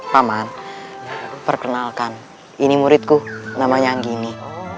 paman perkenalkan ini muridku namanya anggini